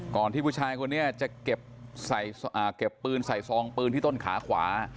ที่ผู้ชายคนนี้จะเก็บปืนใส่ซองปืนที่ต้นขาขวา